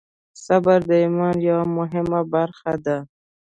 صبر د ایمان یوه مهمه برخه ده.